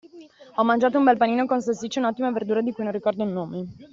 Ho mangiato un bel panino con salsiccia e un'ottima verdura di cui non ricordo il nome.